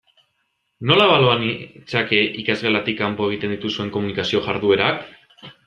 Nola ebalua nitzake ikasgelatik kanpo egiten dituzuen komunikazio jarduerak?